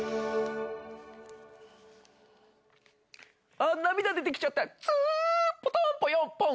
あっ涙出てきちゃったツポトンポヨンポン！